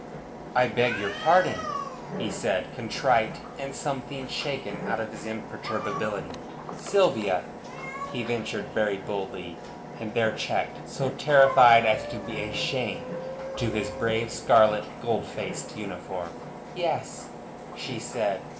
"I beg your pardon," he said, contrite, and something shaken out of his imperturbability. "Sylvia," he ventured very boldly, and there checked, so terrified as to be a shame to his brave scarlet, gold laced uniform. "Yes?" she said.